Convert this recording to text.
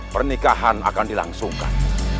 pernikahan akan dilangsungkan